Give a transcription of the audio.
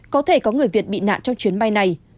có thể có người việt bị nạn trong chuyến bay này